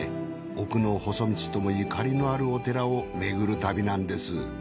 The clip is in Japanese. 『奥の細道』ともゆかりのあるお寺を巡る旅なんです。